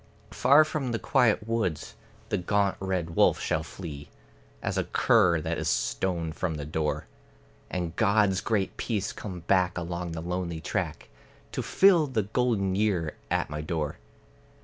Far from the quiet woods the gaunt red wolf shall flee, As a cur that is stoned from the door; And God's great peace come back along the lonely track, To fill the golden year at my door.